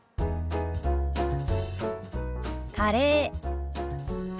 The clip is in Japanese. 「カレー」。